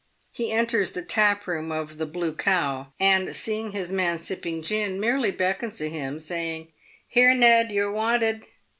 He enters the tap room of the "Blue Cow," and seeing his man sipping gin, merely beckons to him, saying, "Here, Ned, you're wanted."